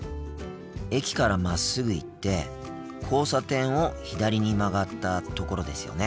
駅からまっすぐ行って交差点を左に曲がったところですよね？